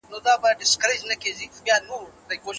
ابن خلدون د اسلامي نړۍ مشهوره عالم دی.